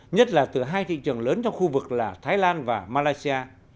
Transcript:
nhất là từ hai thị trường lớn trong khu vực là thái lan và malaysia